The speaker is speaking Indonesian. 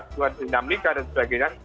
sebuah dinamika dan sebagainya